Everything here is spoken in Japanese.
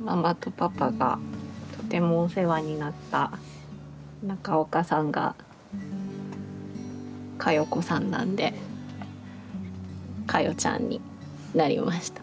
ママとパパがとてもお世話になった中岡さんが香代子さんなんで華代ちゃんになりました。